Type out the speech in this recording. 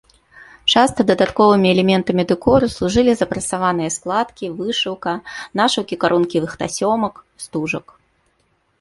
Часта дадатковымі элементамі дэкору служылі запрасаваныя складкі, вышыўка, нашыўкі карункавых тасёмак, стужак.